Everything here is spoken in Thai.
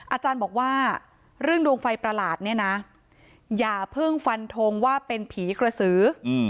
อาจารย์บอกว่าเรื่องดวงไฟประหลาดเนี่ยนะอย่าเพิ่งฟันทงว่าเป็นผีกระสือ